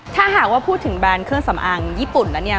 ถ้าหากว่าพูดถึงแบรนด์เครื่องสำอางญี่ปุ่นนั้นเนี่ย